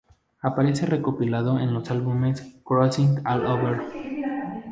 Aparece recopilado en los álbumes "Crossing All Over!